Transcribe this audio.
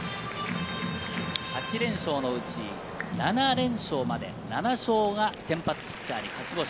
８連勝のうち７連勝まで、７勝が先発ピッチャーの勝ち星。